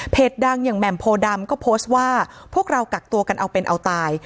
ดังอย่างแหม่มโพดำก็โพสต์ว่าพวกเรากักตัวกันเอาเป็นเอาตาย